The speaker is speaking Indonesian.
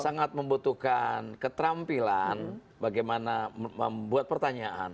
sangat membutuhkan keterampilan bagaimana membuat pertanyaan